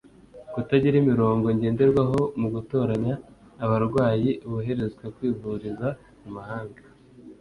Kutagira imirongo ngenderwaho mu gutoranya abarwayi boherezwa kwivuriza mu mahanga